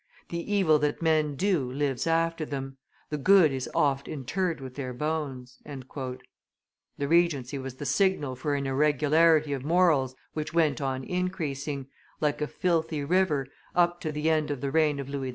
"The evil that men do lives after them, the good is oft interred with their bones;" the Regency was the signal for an irregularity of morals which went on increasing, like a filthy river, up to the end of the reign of Louis XV.